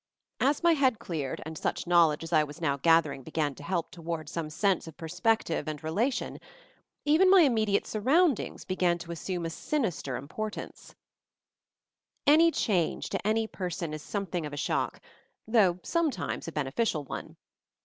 As my head cleared, and such knowledge as I was now gathering began to help to wards some sense of perspective and relation, even my immediate surroundings began to assume a sinister importance. MOVING THE MOUNTAIN 29 Any change, to any person, is something of a shock, though sometimes a beneficial one.